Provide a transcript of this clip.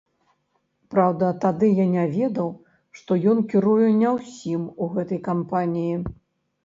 Праўда, тады я не ведаў, што ён кіруе не ўсім у гэтай кампаніі.